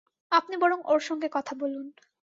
আপনি বরং ওঁর সঙ্গে কথা বলুন।